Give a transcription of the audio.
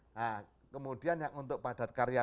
nah kemudian yang untuk padat karya